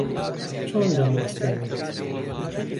چۆن دەموەستێنیت؟